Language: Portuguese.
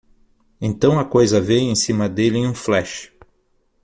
Então a coisa veio em cima dele em um flash.